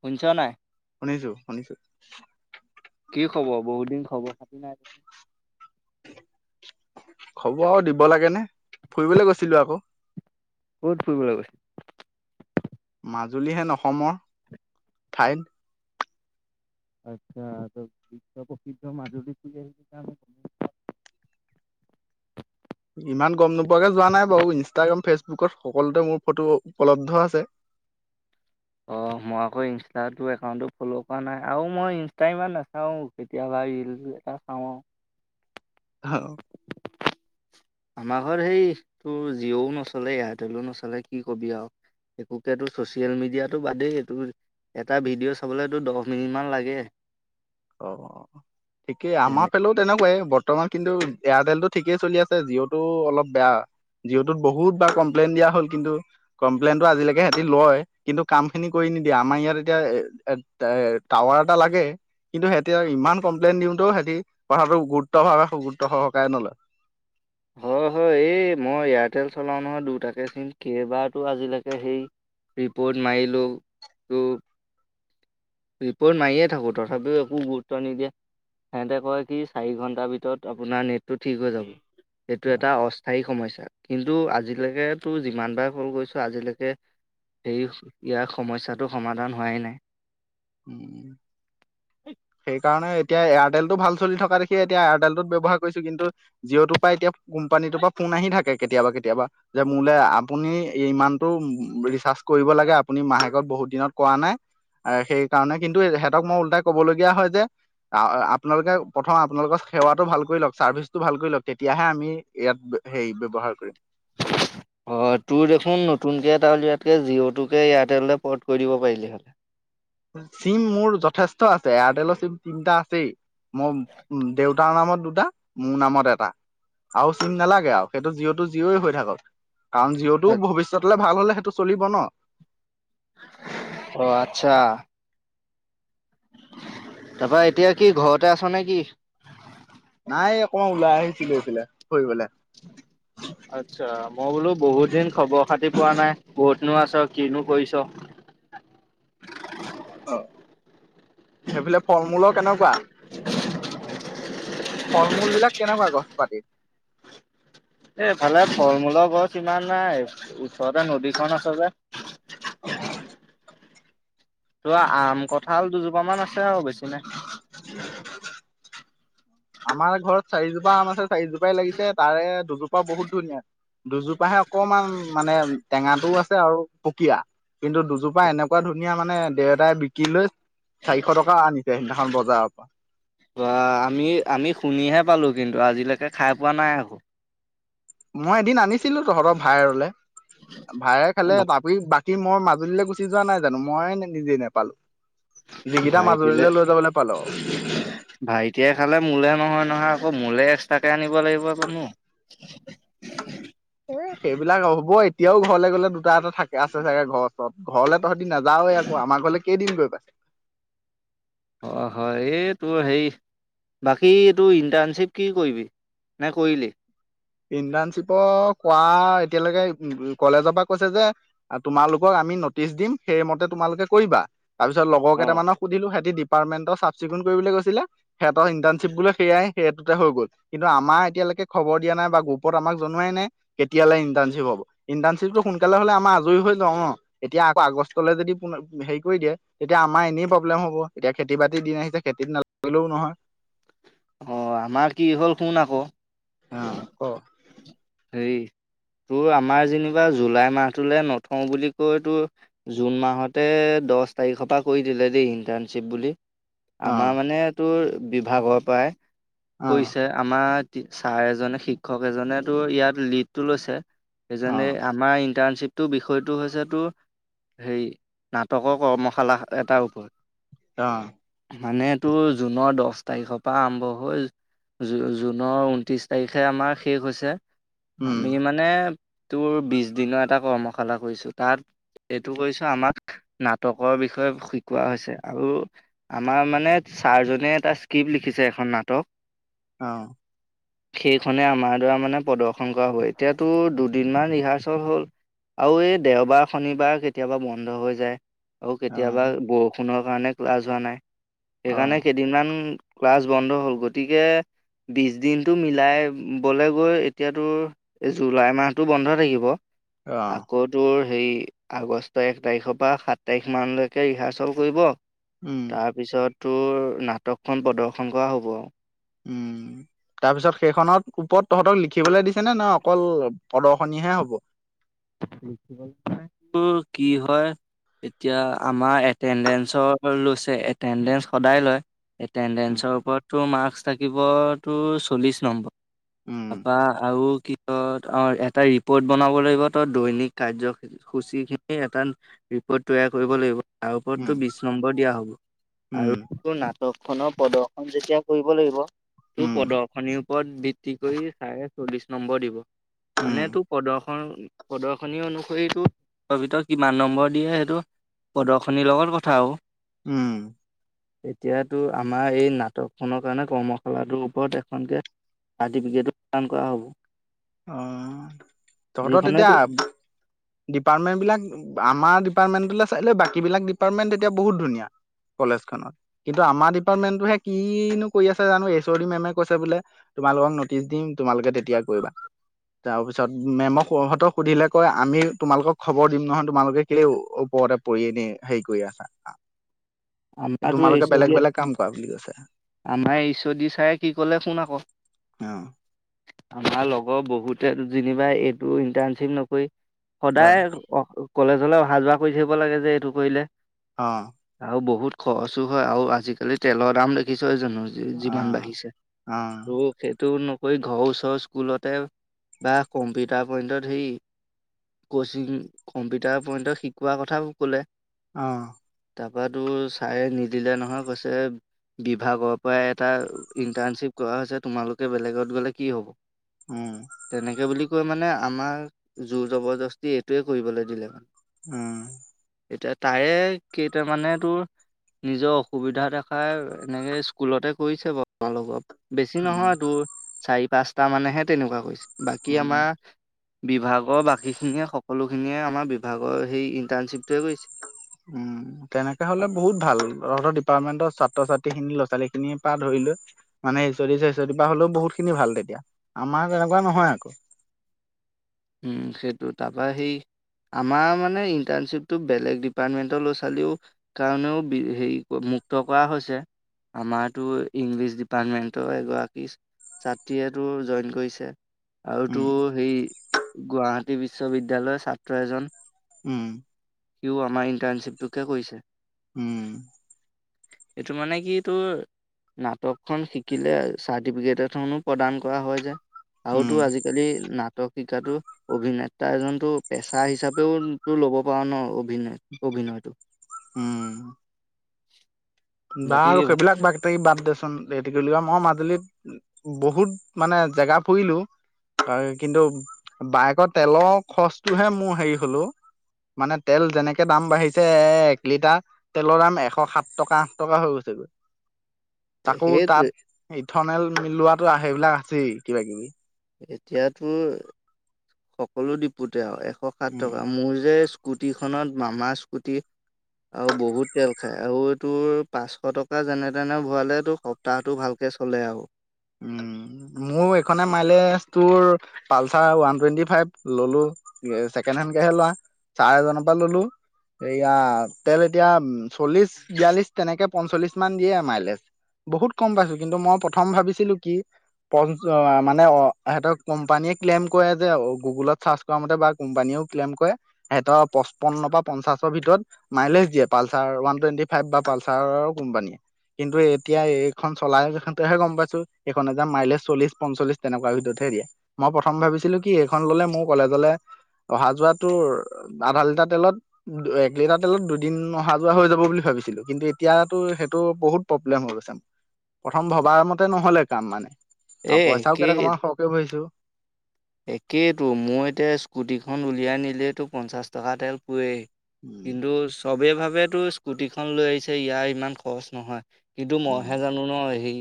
শুনিছ নাই? শুনিছোঁ শুনিছোঁ কি খবৰ বহুত দিন খবৰ খাতি নাই খবৰ আৰু দিব লাগে নে ফুৰিবলৈ গৈছিলোঁ আক ক'ত ফুৰিবলৈ গৈছ মাজুলী হেন অসমৰ ঠাইত আচ্ছা তই প্ৰসিদ্ধ মাজুলী ইমান গম নোপোৱাকে যোৱা নাই বাৰু ইনষ্টাগ্ৰাম ফেচবুকত সকলোতে মোৰ ফটো উপলব্ধ আছে। অ মই আকৌ ইনষ্টাতো একাউণ্টটো ফ'ল' কৰা নাই আৰু মই ইনষ্টা ইমান নাচাওঁ। কেতিয়াবা ৰিল এটা চাওঁ আউ হঅ আমাৰ ঘৰত হেই তোৰ জিঅ'ও নচলে এয়াৰটেলো নচলে কি কবি আউ একোকেতো ছচিয়েল মিডিয়াটো বাদেই এইটোও- এটা ভিডিঅ' চাবলৈ তোৰ দহ মিনিটমান লাগে। অ অ ঠিকেই তেনে আমাৰ ফালেও তেনেকুৱাই বৰ্তমান কিন্তু এয়াৰটেল টো ঠিকেই চলি আছে জিঅ' টো অলপ বেয়া। জিঅ'টোত বহুত বাৰ কমপ্লেইন দিয়া হ'ল কিন্তু কমপ্লেইনটো আজিলেকে সিহতি লয়, কিন্তু কাম খিনি কৰি নিদিয়ে আমাৰ ইয়াত এতিয়া এট এট টা টাৱাৰ এটা লাগে কিন্তু সিহতি ইমান কমপ্লেইন দিওঁতেও সিহঁতি কথাটো গুৰুত্ব ভাৱে গুৰুত্ব সহকাৰে নলয়। হয়, হয় এই মই এয়াৰটেল চলাওঁ নহয় দুটাকে চিম কেইবাৰটো আজিলেকে হেই ৰিপৰ্ট মাৰিলো [inaudible] ৰিপৰ্ট মাৰিয়ে থাকোঁ তথাপিও একো গুৰুত্ব নিদিয়ে। সেহেতে কয় কি চাৰি ঘণ্টাৰ ভিতৰত আপোনাৰ নেটটো ঠিক হৈ যাব। এইটো এটা অস্থায়ী সমস্যা কিন্তু আজিলেকে তোৰ যিমান বাৰ কল কৰিছোঁ আজিলেকে সেই ইয়াৰ সমস্যাটো সমাধান হোৱাই নাই। উম সেইকাৰণে এতিয়া এয়াৰটেলটো ভাল চলি থকা দেখিয়ে এতিয়া এয়াৰটেলটোত ব্যৱহাৰ কৰিছো কিন্তু জিঅ'টো পা এতিয়া কোম্পানীটোৰ ফোন আহি থাকে কেতিয়াবা, কেতিয়াবা। যে মোলে আপুনি ইমানতটো ৰিচাৰ্জ কৰিব লাগে আপুনি মাহেকত বহুত দিনত কৰা নাই এ সেই কাৰণে, কিন্তু সিহঁতক মই উল্টাই ক'বলগীয়া হয় যে আপোনালোকে প্ৰথম আপোনালোকৰ সেৱাটো ভাল কৰি লওঁক চাৰ্ভিচটো ভাল কৰি লওঁক, তেতিয়াহে আমি ইয়াত সেই ব্যৱহাৰ কৰিব। অ' তোৰ দেখোন নতুনকে এটা উলিয়াতকৈ জিঅ'টোকে এয়াৰটেললে পৰ্ট কৰি দিব পাৰিলি হয়। চিম মোৰ যথেষ্ট আছে, এয়াৰটেলৰ চিম তিনিটা আছেই। মোৰ দেউতাৰ নামত দুটা, মোৰ নামত এটা। আৰু চিম নালাগে আৰু, সেইটো জিঅ' টো জিঅ'ই হৈ থাকক। কাৰণ জিঅ' টো ভবিষ্যতলৈ ভাল হ'লে সেইটো চলিব ন? অ', আচ্ছা। তাৰাপা এতিয়া কি ঘৰতে আছ নে কি? নাই অকমান ওলাই আহিছিলো এইফালে ফুৰিবলৈ। আচ্ছা। মই বোলো বহুত দিন খবৰ খাতি পোৱা নাই ক'তনো আছ কিনো কৰিছ অ', সেইফালে ফল মূলৰ কেনেকুৱা? ফল মূল বিলাক কেনেকুৱা গছ পাতি? এইফালে ফল মূলৰ গছ ইমান নাই, ওচৰতে নদীখন আছে যে। উ [unintelligible] তোৰ আম কঁঠাল দুজোপা মান আছে আৰু বেছি নাই। উ [unintelligible] আমাৰ ঘৰত চাৰিজোপা আম আছে চাৰিজোপাই লাগিছে, তাৰে দুজোপা বহুত ধুনীয়া। দুজোপাহে অকমান মানে টেঙাটোও আছে আৰু পুকীয়া। কিন্তু দুজোপা এনেকুৱা ধুনীয়া মানে দেউতাই বিকি লৈ চাৰিশ টকা আনিছে সেইদিনাখন বজাৰৰ পৰা। বা আমি আমি শুনিহে পালো কিন্তু, আজিলৈকে খাই পোৱা নাই আকৌ। মই এদিন আনিছিলো তহঁতৰ ভাইৰলে, ভায়ৰে খালে ত বাকী মই মাজুলীলৈ গুচি যোৱা নাই জানো, মই নিজেই নেপালো। যিকেইটা ভাইটিলে মাজুলীলৈ লৈ যাবলৈ পালো ভাইটিয়ে খালে মোলেহ নহয় নহয় আকৌ, মোলে এক্সট্ৰাকে আনিব লাগিব আকৌনো। এ সেইবিলাক হ'ব, এতিয়াও ঘৰলে গ'লে দুটা এটা থাকে আছে চাগে ঘৰ ওচৰত। ঘৰলে তহঁতি নাযাৱ আক', আমাৰ ঘৰলে কেইদিন গৈ পাইছ? অ' হয়, এই তোৰ হেৰি বাকী এই তোৰ ইণ্টাৰ্ণশ্বিপ কি কৰিবি, নে কৰিলি? ইণ্টাৰ্ণশ্বিপৰ কৰা এতিয়ালৈকে উ কলেজৰ পৰা কৈছে যে আৰু তোমালোকক আমি নটিচ দিম, সেইমতে তোমালোকে কৰিবা। তাৰ পিছত লগৰ কেইটামানক সুধিলো, সিহঁতি ডিপাৰ্টমেণ্ট চাফ চিকুণ কৰিবলৈ গৈছিলে সিহঁতৰ ইনটাৰ্ণশ্বিপ বোলে সেইয়াই সেইটোতে হৈ গ'ল। কিন্তু আমাৰ এতিয়ালৈকে খবৰ দিয়া নাই বা গ্ৰুপত আমাক জনোৱাই নাই কেতিয়ালে ইন্ট্ৰ্ণশ্বিপ হ'ব। ইণ্টাৰ্ণশ্বিপটো সোনকালে হ'লে আমাৰ আজৰি হৈ লওঁ ন? এতিয়া আকৌ আগষ্টলৈ যদি হেৰি কৰি দিয়ে। এতিয়া আমাৰ এনেই প্ৰব্লেম হ'ব, এতিয়া খেতি বাতিৰ দিন আহিছে খেতিত নালগিলেও নহয়। অ', আমাৰ কি হ'ল শুন আকৌ। অ' ক? হেৰি তোৰ আমাৰ যেনিবা জুলাই মাহটোলৈ নথওঁ বুলি কৈ তোৰ জুন মাহতে দহ তাৰিখৰ পৰা কৰি দিলে দেই ইণ্টাৰ্ণশ্বিপ বুলি। অ আমাৰ মানে তোৰ বিভাগৰ পৰাই অ কৰিছে। আমাৰ ছাৰ এজনে শিক্ষক এজনে তোৰ ইয়াত লিডটো লৈছে। অ সেইজনে আমাৰ ইণ্টাৰ্ণশ্বিপটোৰ বিষয়টো হৈছে তোৰ হেৰি নাটকৰ কৰ্মশালা, এ-এটাৰ ওপৰত। অ'। মানে তোৰ জুনৰ দহ তাৰিখৰ পৰা আৰম্ভ হৈ জু-জুনৰ ঊনত্ৰিছ তাৰিখে আমাৰ শেষ হৈছে। উম আমি মানে তোৰ বিশ দিনৰ এটা কৰ্মশালা কৰিছো, তাত। এইটো কৰিছো আমাক, নাটকৰ বিষয়ে শিকোৱা হৈছে আৰু আমাৰ মানে ছাৰজনে এটা স্ক্ৰিপ্ট লিখিছে, এখন নাটক। অ'। সেইখনে আমাৰ দৰে মানে প্ৰদৰ্শন কৰা হয়, এতিয়াতো দুদিনমান ৰিহাৰ্চেল হ'ল। আৰু এই দেওবাৰ, শনিবাৰে কেতিয়াবা বন্ধ হৈ যায়। আৰু কেতিয়াবা অ', বৰষুণৰ কাৰণে ক্লাছ হোৱা নাই, সেইকাৰণে অ', কেই দিনমান ক্লাছ বন্ধ হ'ল। গতিকে বিশ দিনটো মিলাই বোলে গৈ এতিয়া তোৰ, এই জুলাই মাহতো বন্ধ থাকিব, অ', আকৌ তোৰ হেৰি আগষ্টৰ এক তাৰিখৰ পৰা সাত তাৰিখ মানলৈকে ৰিহাৰ্চেল কৰিব উম, তাৰপিছত তোৰ নাটকখন প্ৰদৰ্শন কৰা হ'ব আৰু। উম। তাৰপিছত সেইখনত ওপৰত তহঁতক লিখিবলৈ দিছে নে, নে অকল প্ৰদৰ্শনীহে হ'ব। উম, কি হয়। এতিয়া আমাৰ এটেণ্ডেঞ্চৰ লৈছে, এটেণ্ডেঞ্চ সদায় লয়। উম, এটেণ্ডেঞ্চৰ ওপৰত তোৰ মাৰ্কচ থাকিব তোৰ, চল্লিশ নম্বৰ উম, তাৰপা আৰু কি কয়, অ' এটা ৰিপৰ্ট বনাব লাগিব দৈনিক কাৰ্য সূচীখিনিৰ এটা ৰিপ'ৰ্ট তৈয়াৰ কৰিব লাগিব। তাৰ উম, ওপৰতো বিশ নম্বৰ দিয়া হ'ব উম, আৰু নাট টকখনৰ প্ৰদৰ্শন যেতিয়া কৰিব লাগিব, ত' উম, প্ৰদৰ্শনী পদ ভিত্তি কৰি চাৰে, চল্লিশ নম্বৰ দিব। উম, মানে তোৰ প্ৰদৰ্শন প্ৰদৰ্শনী অনুসৰি তোৰ বিছৰ ভিতৰত কিমান নম্বৰ দিয়ে, সেইটো প্ৰদৰ্শনীৰ লগত কথা আৰু। উম। এতিয়া তোৰ আমাৰ এই নাটক খনৰ কাৰণে, কৰ্মশালাটোৰ ওপৰত এখনকে চাৰ্টিফিকেটো প্ৰদান কৰা হ'ব। অ' তহঁতৰ তেতিয়া যিখনেতো আ ডিপাৰ্টমেন্ট বিলাক, আমাৰ ডিপাৰ্টমেণ্টলৈ চাই লৈ বাকীবিলাক ডিপাৰ্টমেন্ট তেতিয়া বহুত ধুনীয়া। কলেজ খনত, কিন্তু আমাৰ ডিপাৰ্টমেন্টটোহে কিনো কৰি আছে জানো, এইচঅডি মেমে কৈছে বোলে তোমালোকক নটিচ দিম, তোমালোকে তেতিয়া কৰিবা। তাৰপিছত মেমক সহঁতক সুধিলে কয়, আমি তোমালোকক খবৰ দিম নহয়। তোমালোকে‌ কেলেই ও-ওপৰতে পৰি এনে হেৰি কৰি আছা, আ আমাৰতো এইচ তোমালোকে অ' বেলেগ দিয়ে বেলেগ কাম কৰা বুলি কৈছে। আমাৰ এইচঅদি ছাৰে কি ক'লে শুন আকৌ অ'। আমাৰ লগৰ বহুতে যেনিবা এইটো ইণ্টাৰ্নশ্বিপ নকৰি, অ সদায়ে অ', ক-কলেজলে অহা যোৱা কৰি থাকিব লাগে যে এইটো কৰিলে। অ'। আৰু বহুত খৰচো হয়, আৰু আজিকালি তেলৰ দাম দেখিছই জানো। অ যি-যিমান বাঢ়িছে। অ ত' সেইটো ন কৰি ঘৰৰ ওচৰৰ স্কুলতে বা কম্পিউটাৰ পইণ্টত হেই কচিং কম্পিউটাৰ পইণ্টত শিকোৱাৰ কথা ক'লে অঁ কিবাটো ছাৰে নিদিলে নহয় কৈছে বিভাগৰ পৰা এটা ইন্টাৰ্নশ্বিপ কৰা হৈছে তোমালোকে বেলেগত গ'লে কি হ'ব উম তেনেকে বুলি কৈ মানে আমাৰ জোৰ জবৰদস্তি এইটোৱে কৰিবলৈ দিলে মানে উম এতিয়া তাৰে মানে তোৰ নিজৰ অসুবিধা দেখাই এনেকে স্কুলতে কৰিছে বাৰু আমাৰ লগত বেছি উম নহয় তোৰ চাৰি পাঁচটা মানেহে তেনেকুৱা কৰিছে বাকী উম আমাৰ বিভাগৰ বাকী খিনিয়ে সকলো খিনিয়ে আমাৰ বিভাগৰ সেই ইন্টাৰ্নশ্বিপটোৱে কৰিছে। উম তেনেকে হলে বহুত ভাল তহঁতৰ ডিপাৰ্টমে ন্টৰ ছাত্ৰ ছাত্ৰী খিনি ল'ৰা ছোৱালী খিনিৰ পৰা ধৰি লৈ মানে হচ চচৰ বা হলেও বহুত খিনি ভাল তেতিয়া আমাৰ তেনেকুৱা নহয় আকৌ। উম সেইটো তাৰপৰা সেই আমাৰ মানে ইনটাশ্বিপটো বেলেগৰ ডিপাৰ্টমেন্টৰ লৰা ছোৱালীও কাৰণেও বি হেৰি মুক্ত কৰা হৈছে। আমাৰতো ইংলিছ ডিপাৰ্টমেন্টৰ এগৰাকী ছাত্ৰীয়েতো জইন কৰিছে আৰুতো উম সেই গুৱাহাটী বিশ্ববিদ্যয়ালয়ৰ ছাত্ৰ এজন উম সিও আমাৰ ইণ্টাৰ্ণশ্বিপটোকে কৰিছে। উম এইটো মানে কি তোৰ নাটকখন শিকিলে চাৰ্টিফিকেট এখনো প্ৰদান কৰা হয় যে। আৰু উম তোৰ আজিকালি নাটক শিকাতো অভিনেতা এজনতো পেচা হিচাপেও তো ল'ব পাৰা ন অভনে অভিনয়টো উম বাকী বাৰু সেইবিলাক বা বাদ দেচোন হেতি কৰি মই মাজুলীত বহুত মানে জেগা ফুৰিলো আ কিন্তু বাইকৰ তেলৰ খৰচটোহে মোৰ হেৰি হল ঔ মানে তেল যেনেকে দাম বাঢ়িছে এ এক লিটাৰ তেলৰ দাম এশ সাত টকা টকা হৈ গৈছেগৈ তাকো তাত সেইটোৱে ইথনেল মিলোৱাটো আহে সেইবিলাক আছেই কিবা কিবি এতিয়া তোৰ সকলো দিপুতে আৰু এশ সাত উম টকা মোৰ যে স্কুটি খনত মামাৰ স্কুটি আৰু বহুত তেল খাই আৰু এই তোৰ পাঁচশ টকা যেনে তেনে ভৰালে তোৰ সপ্তাহটো ভালকে চলে আৰু। উম মোৰ এইখনে মাইলেজ তোৰ পালচাৰ ওৱান টুৱেন্টি ফাইভ ললো চছেকেণ্ড হেণ্ডকেহে লোৱা ছাৰ এজনৰ পৰা ললো এয়া তেল এতিয়া চল্লিশ বিয়াল্লিশ তেনেকে পঞ্চল্লিশ মান দিয়ে আৰু মাইলেজ। বহুত কম পাইছো কিন্তু মই প্ৰথম ভাবিছিলো কি মানে অ সিহঁতক কোম্পানীয়ে ক্লেইম কৰে যে গুগলত চাৰ্চ কৰা মতে বা কোম্পানীয়েও ক্লেইম কৰে সিহঁতৰ পচপন্নৰ পৰা পঞ্চাশৰ ভিতৰত মাইলেজ দিয়ে পালচাৰ ওৱান টুৱেণ্টি ফাইভ বা পালচাৰৰ কোম্পানীয়ে কিন্তু এতিয়া এইখন চলাওঁতেহে গম পাইছো। এখনৰ যে মাইলেজ চল্লিশ পঞ্চল্লিছ তেনেকুৱা ভিতৰতহে দিয়ে। মই প্ৰথম ভাবিছিলো কি এইখন ল'লে মোৰ কলেজলে অহা যোৱা তোৰ আধা লিটাৰ তেলত এক লিটাৰ তেলত দুদিন অহা যোৱা হৈ যাব বুলি ভাবিছিলো। কিন্তু এতিয়াতো সেইটো বহুত প্ৰব্লেম হৈ গৈছে। প্ৰথম ভবাৰ মতে নহ'লে কাম মানে এ আৰু পইচাও কেইটকা মান সৰহকে ভৰিছো। একেতো মই এতিয়া স্কুটিখন উলিয়াই নিলেই তোৰ পঞ্চাছ টকাৰ তেল পুৰেই। উম, কিন্তু চবেই ভাবে তোৰ স্কুটিখন লৈ আহিছে ইয়াৰ ইমান খৰচ নহয়। কিন্তু মই উম, হে জানো ন সেই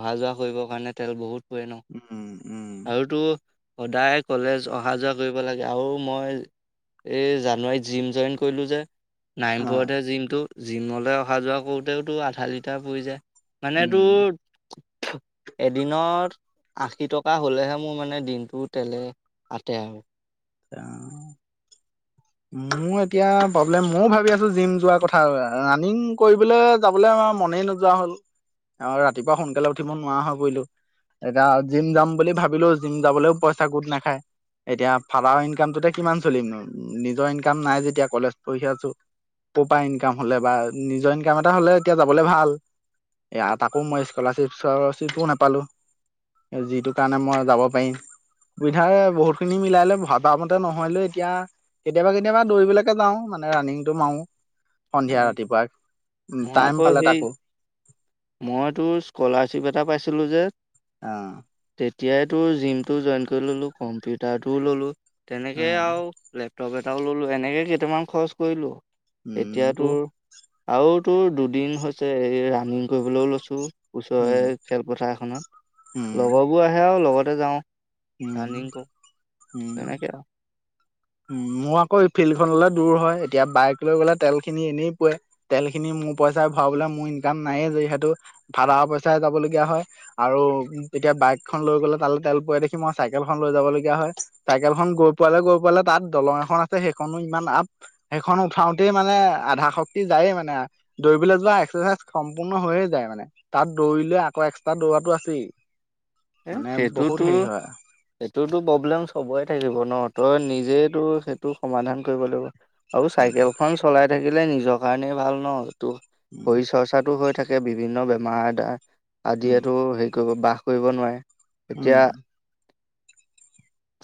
অহা যোৱা কৰিবৰ কাৰণে তেল বহুত পৰে ন। উম, উম। টো সদায় কলেজ অহা যোৱা কৰিব লাগে আৰু মই এই জানুৱাৰীত জিম জইন কৰিলোঁ যে। অ', নাৰায়ণপুৰতেহে জিমটো জিমলৈ অহা যোৱা কৰোঁতেও তোৰ আধা লিটাৰ পৰি যায়। মানে উম। তোৰ এদিনত আশী টকা হ'লেহে মোৰ মানে দিন তেলে আতে আৰু। আহ! মোৰ এতিয়া প্ৰব্লেম ময়ো ভাবি আছো জীম যোৱা কথা ৰাণিং কৰিবলৈ যাবলৈ মনেই ন নোযোৱা হ'ল আৰু ৰাতিপুৱা সোনকালে উঠিব নোৱাৰা হয় পৰিলো। এতিয়া জিম যাম বুলি ভাবিলো জিম যাবলৈও পইচা গোট নাখায়। এতিয়া ফাডাৰৰ ইনকামটোতে কিমান চলিম নিজৰ ইনকাম নাই যেতিয়া কলেজ পঢ়ি আছো। প'পা ইনকাম হ'লে বা নিজৰ ইনকাম এটা হ'লে এতিয়া যাবলৈ ভাল। এয়া তাকো মই স্কলাৰশ্বিপৰ চিচস্কলাৰশ্বিপো নাপালো। যিটো কাৰণে মই যাব পাৰিম। অসুবিধাৰে বহুতখিনি মিলাই লৈ ভবা মতে নহ'লেও‌ এতিয়া কেতিয়াবা কেতিয়াবা দৌৰিবলৈকে যাওঁ মানে ৰানিংটো মাৰো। অ সন্ধিয়া ৰাতিপুৱা উম মই টাইম আকৌ পালে সেই তাকো। মই তোৰ স্কলাৰশ্বিপ এটা পাইছিলো যে। অ'। তেতিয়াই তোৰ জিমটো জইন কৰি ল'লো কম্পিউটাৰটোও ল'লো। তেনেকেই অ', আৰু লেপটপ এটাও ল'লো এনেকে কেইটামান খৰচ কৰিলো। উম, এতিয়া তো তোৰ আৰু তোৰ দুদিন হৈছে এই ৰানিং কৰিবলৈও লৈছোঁ। উম, ওচৰৰে খেলপথাৰ উম, এখনত লগৰবোৰ আহে আৰু লগতে যাওঁ। উম, ৰানিং কৰো উম। তেনেক আৰু। মোৰ আকৌ এই ফিল্ডখনলৈ দূৰ হয় এতিয়া বাইক লৈ গ'লে তেলখিনি এনে পুৰে। তেলখিনি মোৰ পইচাৰে ভৰাবলৈ মোৰ ইনকাম নাইয়ে যিহেতু ফাডাৰৰ পইচাৰে যাবলগীয়া হয়। আৰু তেতিয়া বাইকখন লৈ গ'লে তালৈ তেল পুৰা দেখি মই চাইকেলখন লৈ যাব লগীয়া হয়। চাইকেলখন গৈ পোৱালে গৈ পোৱালে তাত দলং এখন আছে সেইখনো ইমান আপ সেইখন উঠাওতেই মানে আধা শক্তি যায়ে মানে। দৌৰিবলৈ যোৱা এক্সাৰচাইজ সম্পূৰ্ণ হৈয়ে যায় মানে তাত দৌৰিলে আকৌ এক্সট্ৰা দৌৰাটো আছেই। মানে বহুত হেৰি হয়। এইটোতো প্ৰব্লেম চবৰেই থাকিব ন তই নিজেই সেইটো সমাধান কৰিব লাগিব। আৰু উম, চাইকেলখন চলাই থাকিলে নিজৰ কাৰণেই ভাল ন উম, শৰীৰ চৰ্চাটো হৈ থাকে। বিভিন্ন বেমাৰ আ-আদিয়ে উম, হেৰি কৰিব বাস কৰিব নোৱাৰে। এতিয়া [inaudible]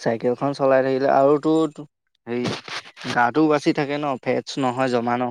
চাইকেলখন চলাই থাকিলে আৰু তোৰ হেই গাটোও বাচি থাকে ন' ফেটচ নহয় জমা নহয়।